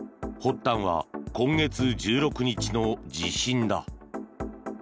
発端は今月１６日の地震だ。